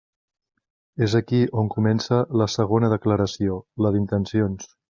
És ací on comença la segona declaració, la d'intencions.